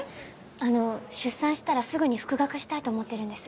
あの出産したらすぐに復学したいと思ってるんです